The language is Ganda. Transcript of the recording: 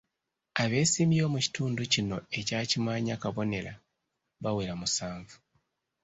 Abeesimbyewo mu kitundu kino ekya Kimaanya- Kabonera, bawera musanvu.